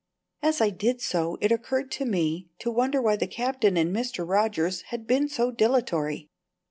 As I did so it occurred to me to wonder why the Captain and Mr. Rogers had been so dilatory.